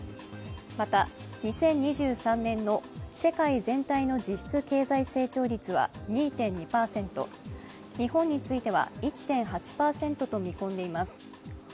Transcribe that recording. また、２０２３年の世界全体の実質経済成長率は２．２％日本については１．８％と見込んでいます。